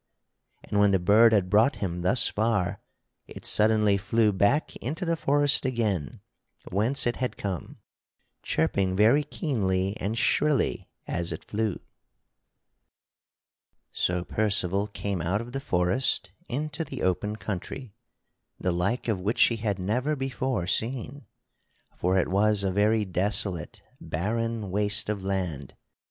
And when the bird had brought him thus far it suddenly flew back into the forest again whence it had come, chirping very keenly and shrilly as it flew. [Sidenote: Sir Percival beholds a wonderful castle] So Percival came out of the forest into the open country, the like of which he had never before seen, for it was a very desolate barren waste of land.